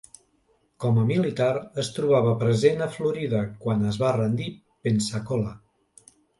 Com a militar es trobava present a Florida quan es va rendir Pensacola.